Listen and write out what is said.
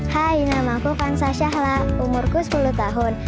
hai nama aku kansah shahla umurku sepuluh tahun